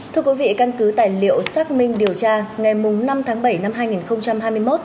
thưa quý vị căn cứ tài liệu xác minh điều tra ngày năm tháng bảy năm hai nghìn hai mươi một